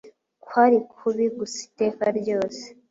kwari kubi gusa iteka ryose,’